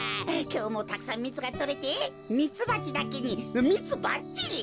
きょうもたくさんミツがとれてミツバチだけにミツバッチリ！